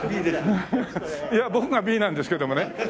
いや僕がＢなんですけどもね。